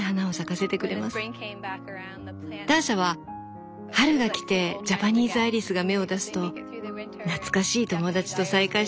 ターシャは「春が来てジャパニーズアイリスが芽を出すと懐かしい友達と再会したようでうれしい」